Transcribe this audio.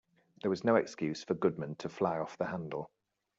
There was no excuse for Goodman to fly off the handle.